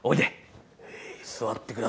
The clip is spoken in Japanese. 座ってください。